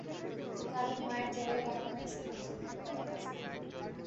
কারণ মায়ের জরায়ু এমন এক স্থান, যেখানে ভয়ের কোনো স্থান নেই।